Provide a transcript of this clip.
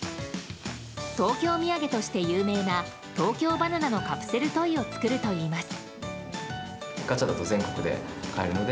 東京土産として有名な東京ばな奈のカプセルトイを作るといいます。